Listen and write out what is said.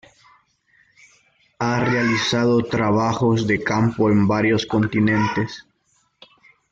Ha realizado trabajos de campo en varios continentes.